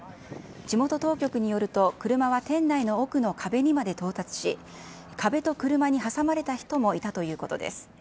地元当局によると、車は店内の奥の壁にまで到達し、壁と車に挟まれた人もいたということです。